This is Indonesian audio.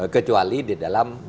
kecuali di dalam hukum pidana